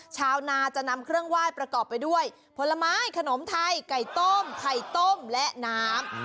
ชาวนาจะนำเครื่องไหว้ประกอบไปด้วยผลไม้ขนมไทยไก่ต้มไข่ต้มและน้ำ